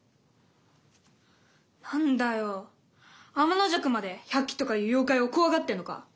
何だよ天の邪鬼まで百鬼とかいう妖怪を怖がってるのか。